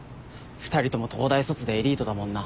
２人とも東大卒でエリートだもんな。